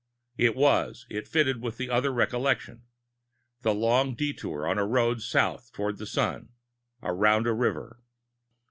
It was; it fitted with this other recollection, the long detour on the road south toward the sun, around a river.